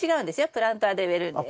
プランターで植えるんです。